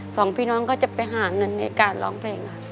สองพี่น้องก็จะไปหาเงินในการร้องเพลงค่ะ